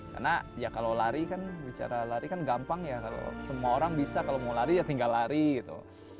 karena ya kalau lari kan bicara lari kan gampang ya kalau semua orang bisa kalau mau lari ya tinggal lari gitu